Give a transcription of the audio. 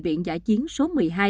bệnh viện giả chiến số một mươi hai